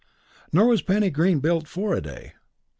Nor was Penny Green built for a day.